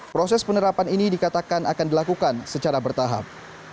proses penerapan ini dikatakan akan dilakukan secara bertahap